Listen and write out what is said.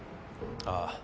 ああ。